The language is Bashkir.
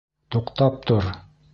Туҡтап тор!